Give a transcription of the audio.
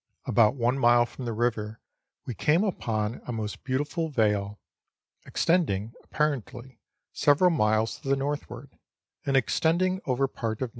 About one mile from the river we came upon a most beautiful vale, extending, apparently, several miles to the northward, and extending over part of No.